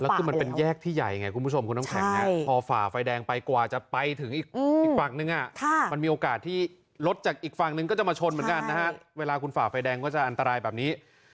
คือมันเป็นแยกที่ใหญ่ไงคุณผู้ชมคุณน้ำแข็งพอฝ่าไฟแดงไปกว่าจะไปถึงอีกฝั่งนึงมันมีโอกาสที่รถจากอีกฝั่งนึงก็จะมาชนเหมือนกันนะฮะเวลาคุณฝ่าไฟแดงก็จะอันตรายแบบนี้